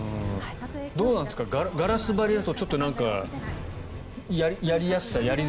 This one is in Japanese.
どうなんですかガラス張りだとちょっとやりやすさやり